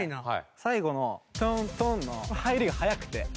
最後のトントンの入りが早くて。